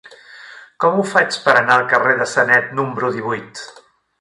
Com ho faig per anar al carrer de Sanet número divuit?